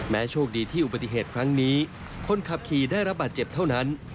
โชคดีที่อุบัติเหตุครั้งนี้คนขับขี่ได้รับบาดเจ็บเท่านั้น